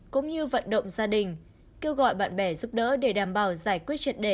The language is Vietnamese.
cũng như vận động gia đình kêu gọi bạn bè giúp đỡ để đảm bảo giải quyết triệt đề